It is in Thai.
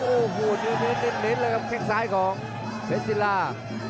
โอ้โหนิ้วนิ้วเลยครับขึ้นซ้ายของเพซิลา